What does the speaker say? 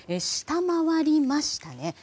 下回りましたね。